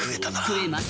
食えます。